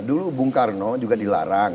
dulu bung karno juga dilarang